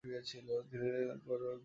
ধীরে করে ঘুরো।